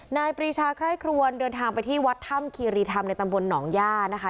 นายปรีชาคล้ายครวญเดินทางไปที่วัดถ้ำคีรีธรรมในตำบลหนองญาตินะคะ